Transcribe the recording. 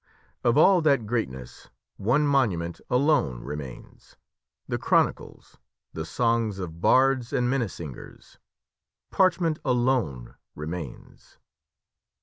Of all that greatness one monument alone remains the chronicles, the songs of bards and minnesingers. Parchment alone remains!"